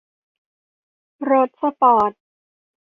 รถสปอร์ต